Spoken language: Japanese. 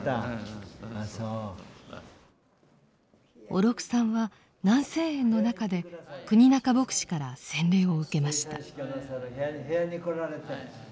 小禄さんは南静園の中で国仲牧師から洗礼を受けました。